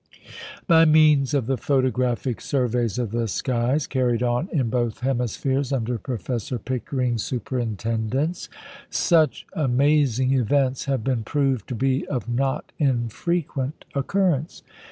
By means of the photographic surveys of the skies, carried on in both hemispheres under Professor Pickering's superintendence, such amazing events have been proved to be of not infrequent occurrence.